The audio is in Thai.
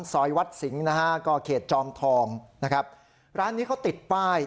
ซอยวัดสิงห์นะฮะก็เขตจอมทองนะครับร้านนี้เขาติดป้าย